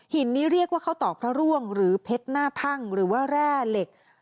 หินนี้เรียกว่าข้าวตอกพระร่วงหรือเพชรหน้าทั่งหรือว่าแร่เหล็ก